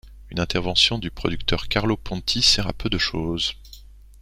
Une intervention du producteur Carlo Ponti sert à peu de choses.